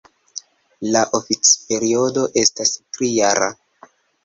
La oficperiodo estas tri-jara.